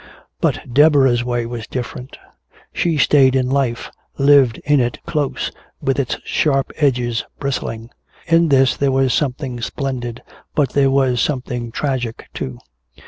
But Deborah's way was different. She stayed in life, lived in it close, with its sharp edges bristling. In this there was something splendid, but there was something tragic, too.